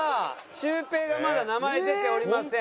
シュウペイがまだ名前出ておりません。